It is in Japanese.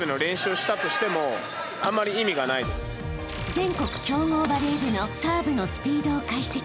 ［全国強豪バレー部のサーブのスピードを解析］